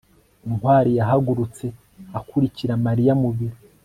ntwali yarahagurutse akurikira mariya mu biro